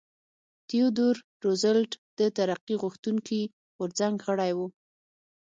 تیودور روزولټ د ترقي غوښتونکي غورځنګ غړی و.